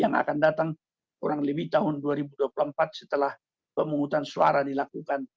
yang akan datang kurang lebih tahun dua ribu dua puluh empat setelah pemungutan suara dilakukan